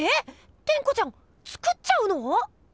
⁉テンコちゃん作っちゃうの？